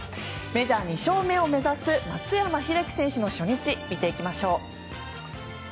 メジャー２勝目を目指す松山英樹選手の初日見ていきましょう。